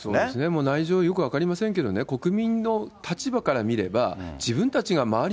もう内情よく分かりませんけれどもね、国民の立場から見れば、自分たちが周り